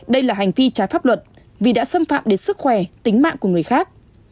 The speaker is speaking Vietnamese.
đây là hành vi trái pháp luật vì đã xâm phạm đến sức khỏe tính mạng của người khác